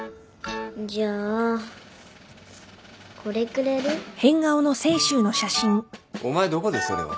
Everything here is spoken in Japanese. じゃあこれくれる？お前どこでそれを。